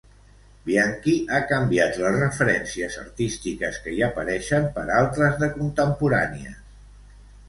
Bianchi ha canviat les referències artístiques que hi apareixien per d'altres de contemporànies.